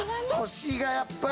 腰がやっぱり。